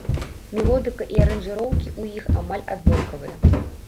Мелодыка і аранжыроўкі ў іх амаль аднолькавыя.